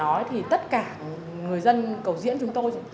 nói thì tất cả người dân cầu diễn chúng tôi